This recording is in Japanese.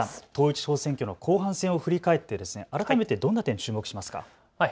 統一地方選挙の後半戦を振り返って、改めてどんな点、注目しますか。